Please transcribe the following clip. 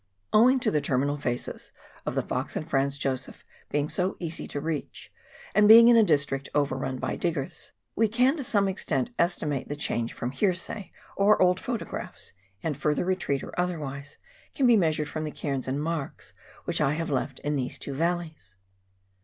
Owing to the terminal faces of the Fox and Franz Josef being so easy to reach, and being in a district overrun by diggers, we can to some extent estimate the change from hear say or old photographs, and future retreat, or otherwise, can be measured from the cairns and marks which I have left in these two valleys.